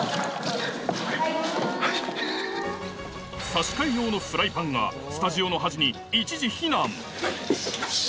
差し替え用のフライパンがスタジオの端に一時よし！